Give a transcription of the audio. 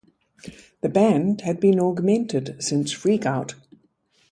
The band had been augmented since Freak Out!